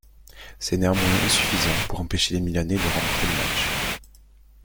C'est néanmoins insuffisant pour empêcher les Milanais de remporter le match.